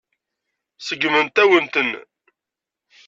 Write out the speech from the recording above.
Seggment-awen-ten.